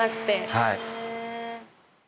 はい。